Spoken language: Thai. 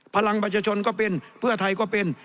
พลังประชาชนก็เป็นเพื่อไทยก็เป็น